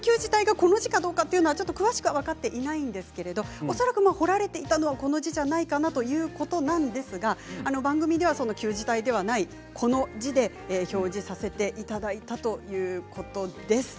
ちょっと詳しくは分かっていないんですけど恐らく彫られていたのは旧字体ではないかということなんですが番組では旧字体ではない字で表示させていただいたということです。